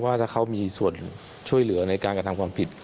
ว่าถ้าเขามีส่วนช่วยเหลือในการกระทำความผิด